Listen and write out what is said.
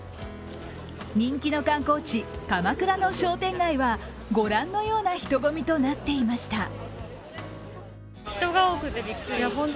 人気の観光地・鎌倉の商店街は御覧のような人混みとなっていました。